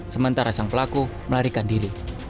sementara sang pelaku melarikan diri